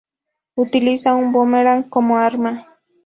Utiliza un boomerang como arma.